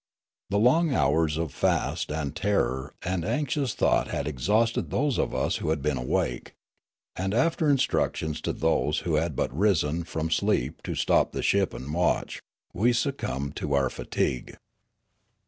The long hours of fast and terror and anxious thought had exhausted those of us who had been awake. And after instructions to those who had but risen from sleep to stop the ship and watch, we succumbed to our fatig ue.